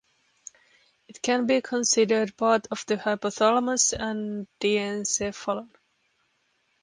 It can be considered part of the hypothalamus and diencephalon.